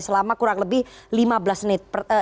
selama kurang lebih lima belas menit